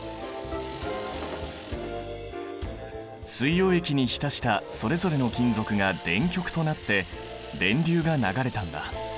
水溶液に浸したそれぞれの金属が電極となって電流が流れたんだ。